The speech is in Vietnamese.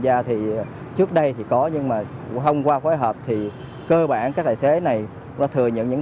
gia thì trước đây thì có nhưng mà thông qua phối hợp thì cơ bản các tài xế này đã thừa nhận những